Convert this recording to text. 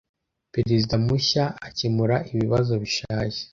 perezida mushya akemura ibibazo bishaje